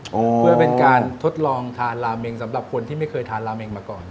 เพื่อเป็นการทดลองทานราเมงสำหรับคนที่ไม่เคยทานราเมงมาก่อน